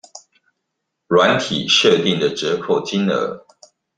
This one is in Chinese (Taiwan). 軟體設定的折扣金額